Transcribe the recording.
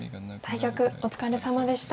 対局お疲れさまでした。